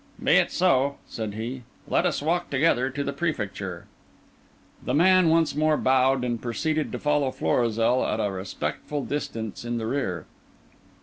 "Be it so," said he, "let us walk together to the Prefecture." The man once more bowed, and proceeded to follow Florizel at a respectful distance in the rear.